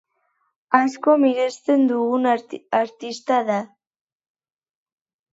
Asko miresten dugun artista da.